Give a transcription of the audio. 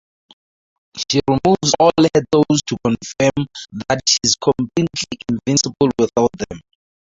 She removes all her clothes to confirm that she is completely invisible without them.